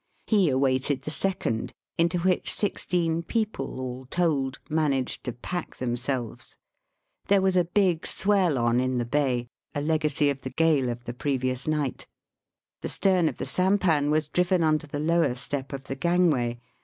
He awaited the second, into which sixteen people all told managed to pack them selves. There was a big swell on in the bay, Digitized by VjOOQIC BY SEA AND LAND TO KIOTO. 63 a legacy of the gale of the previous night. The stem of the sampan was driven under the lower step of the gangway.